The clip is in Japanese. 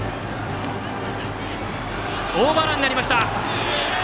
オーバーランになりました。